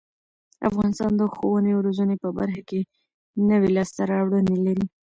افغانستان د ښوونې او روزنې په برخه کې نوې لاسته راوړنې لري.